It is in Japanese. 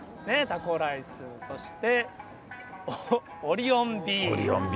タコライス、そしてオリオンビール。